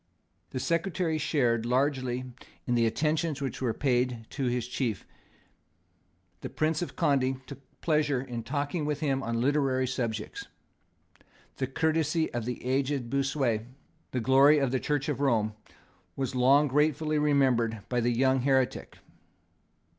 The Secretary shared largely in the attentions which were paid to his chief. The Prince of Conde took pleasure in talking with him on literary subjects. The courtesy of the aged Bossuet, the glory of the Church of Rome, was long gratefully remembered by the young heretic.